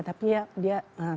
tapi ya dia tetap bisa membeli buku